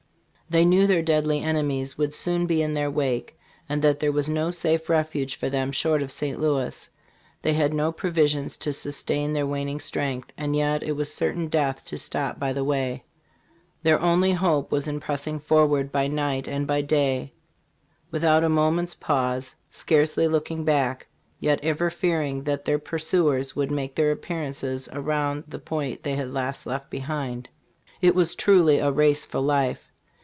They knew their deadly enemies would soon be in their wake, and that there was no safe refuge for them short of St. Louis. They had no provisions to sustain their waning strength, and yet it was cer tain death to stop by the way. Their only hope was in pressing forward by night and by day, without a moment's pause, scarcely looking back, yet ever fearing that their pursuers would make their appearance around the point they had last left behind. It was truly a race for life.